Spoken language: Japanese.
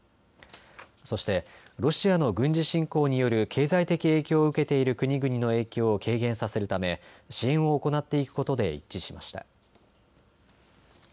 そしてロシアの軍事侵攻による経済的影響を受けている国々の影響を軽減させるため支援を行っていくことで一致しました。